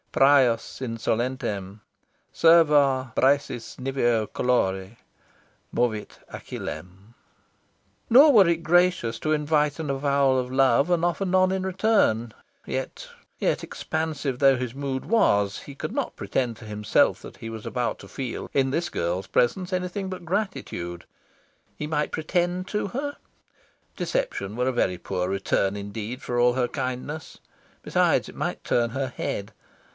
"Prius insolentem Serva Briseis niveo colore Movit Achillem." Nor were it gracious to invite an avowal of love and offer none in return. Yet, yet, expansive though his mood was, he could not pretend to himself that he was about to feel in this girl's presence anything but gratitude. He might pretend to her? Deception were a very poor return indeed for all her kindness. Besides, it might turn her head.